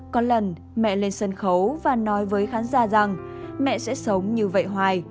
có lần mẹ lên sân khấu và nói với khán giả rằng mẹ sẽ sống như vậy hoài